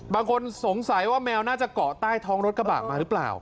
บางคนสงสัยว่าแมวน่าจะเกาะใต้ท้องรถกระบะมาหรือเปล่า